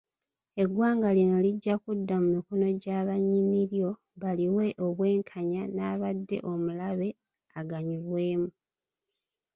Eggwanga lino lijja kudda mu mikono gya bannyini lyo baliwe obwekanya n’abadde omulabe aganyulwemu.